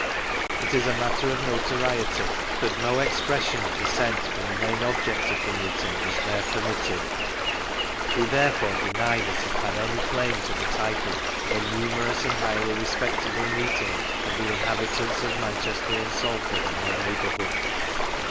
It is a matter of notoriety that no expression of dissent from the main object of the meeting was there permitted. We therefore deny that it had any claim to the title of a ' numerous and highly respectable mating of the inhabitants of Manchester and Satford and their neighbour hood.